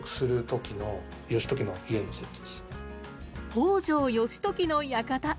北条義時の館。